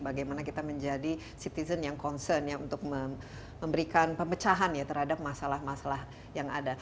bagaimana kita menjadi citizen yang concern ya untuk memberikan pemecahan ya terhadap masalah masalah yang ada